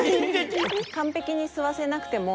完璧に吸わせなくても。